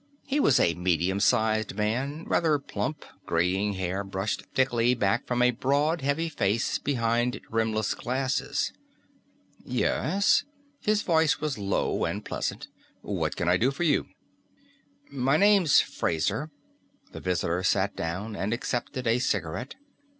He was a medium sized man, rather plump, graying hair brushed thickly back from a broad, heavy face behind rimless glasses. "Yes?" His voice was low and pleasant. "What can I do for you?" "My name's Fraser." The visitor sat down and accepted a cigarette.